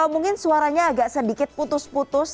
mungkin suaranya agak sedikit putus putus